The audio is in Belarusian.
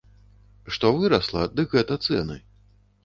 Што вырасла, дык гэта цэны.